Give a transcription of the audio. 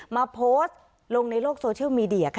มาโพสต์ลงในโลกโซเชียลมีเดีย